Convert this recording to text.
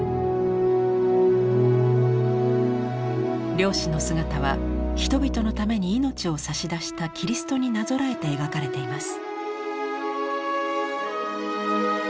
漁師の姿は人々のために命を差し出したキリストになぞらえて描かれています。